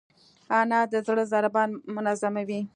انار د زړه ضربان منظموي.